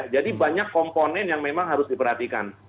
jadi banyak komponen yang memang harus diperhatikan